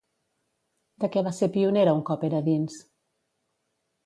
De què va ser pionera un cop era dins?